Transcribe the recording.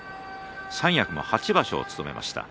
三役も８場所、務めました。